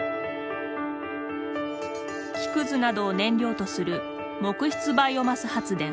木くずなどを燃料とする木質バイオマス発電。